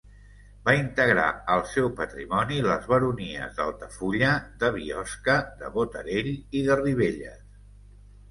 Va integrar al seu patrimoni les baronies d'Altafulla, de Biosca, de Botarell i de Ribelles.